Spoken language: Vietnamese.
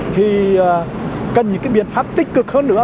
thì cần những cái biện pháp tích cực hơn nữa